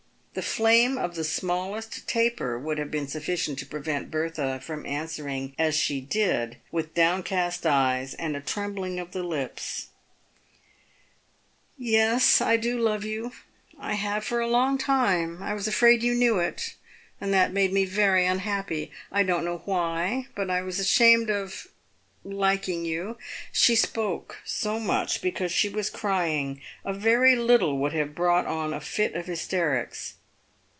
The flame of the smallest taper would have been sufficient to prevent Bertha from answering as she did, with downcast eyes and a trembling of the lips, " Yes, I do love you, I have for a long time. I was afraid you knew it, and that made me very unhappy. I don't know why, but I was ashamed of — liking you." She spoke so much because she was crying. A very little would have brought on a fit of hysterics.